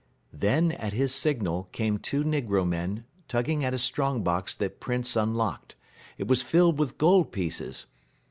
Then, at his signal, came two negro men tugging at a strong box that Printz unlocked. It was filled with gold pieces.